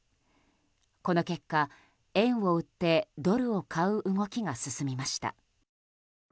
この結果、円を売ってドルを買う動きが進みました。